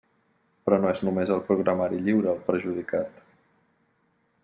Però no és només el programari lliure el perjudicat.